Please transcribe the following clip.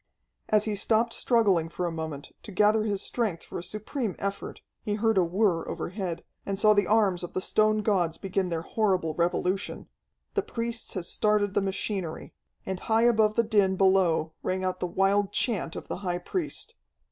As he stopped struggling for a moment, to gather his strength for a supreme effort, he heard a whir overhead, and saw the arms of the stone gods begin their horrible revolution. The priests had started the machinery. And high above the din below rang out the wild chant of the high priest.